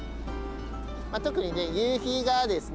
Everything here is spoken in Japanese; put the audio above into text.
特にね夕日がですね